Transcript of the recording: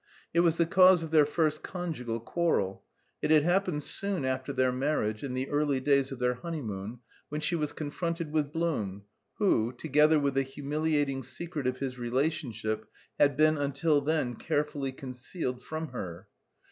It was the cause of their first conjugal quarrel. It had happened soon after their marriage, in the early days of their honeymoon, when she was confronted with Blum, who, together with the humiliating secret of his relationship, had been until then carefully concealed from her.